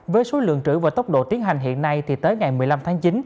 với số lượng trữ và tốc độ tiến hành hiện nay tới ngày một mươi năm tháng chín